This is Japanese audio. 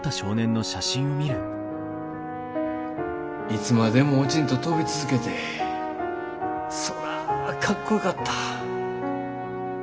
いつまでも落ちんと飛び続けてそらかっこよかった。